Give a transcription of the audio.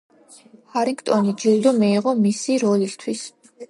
ჰარინგტონი ჯილდო მიიღო მისი როლისთვის.